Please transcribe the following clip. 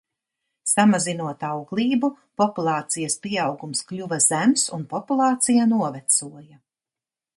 Samazinot auglību, populācijas pieaugums kļuva zems un populācija novecoja.